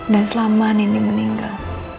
dan selama nini meninggal